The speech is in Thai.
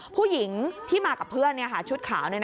ผู้หญิงที่มากับเพื่อนเนี่ยค่ะ